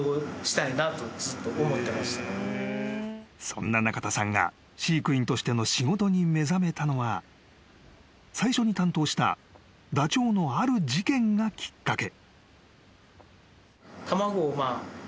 ［そんな中田さんが飼育員としての仕事に目覚めたのは最初に担当したダチョウのある事件がきっかけ］